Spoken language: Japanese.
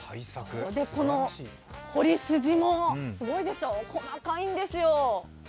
彫りすじもすごいでしょう、細かいんですよ。